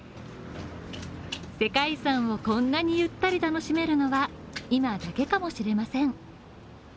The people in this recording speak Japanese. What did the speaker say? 世界遺産をこんなにゆったり楽しめるのは今だけかもしれません。